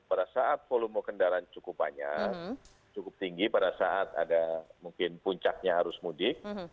pada saat volume kendaraan cukup banyak cukup tinggi pada saat ada mungkin puncaknya harus mudik